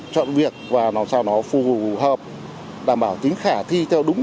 chọn việc và làm sao nó phù hợp đảm bảo tính khả thi